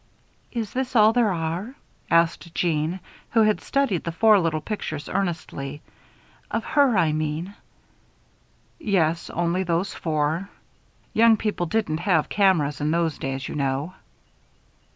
"Is this all there are?" asked Jeanne, who had studied the four little pictures earnestly. "Of her, I mean?" "Yes, only those four. Young people didn't have cameras in those days, you know."